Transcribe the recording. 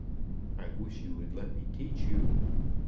"I wish you would let me teach you."